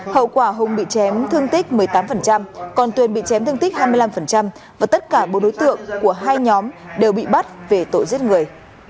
hậu quả hùng bị chém thương tích một mươi tám còn tuyền bị chém thương tích hai mươi năm và tất cả bốn đối tượng của hai nhóm đều bị bắt về tội giết người